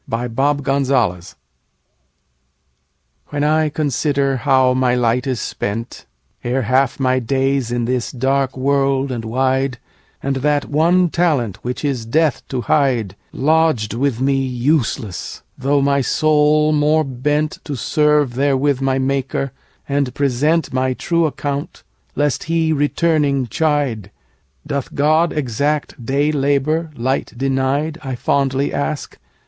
ON HIS BLINDNESS. WHEN I consider how my light is spent, Ere half my days in this dark world and wide, And that one talent which is death to hide Lodged with me useless, though my soul more bent To serve therewith my Maker, and present My true account, lest He returning chide, 'Doth God exact day labour, light denied?' I fondly ask.